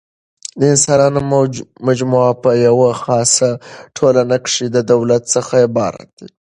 د انسانانو مجموعه په یوه خاصه ټولنه کښي د دولت څخه عبارت ده.